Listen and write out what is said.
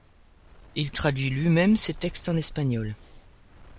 Il traduit lui-même ses textes en espagnol.